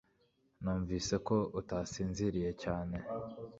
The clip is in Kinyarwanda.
Numvise ko utasinziriye cyane